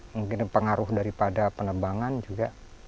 mungkin pengaruh daripada penebangan juga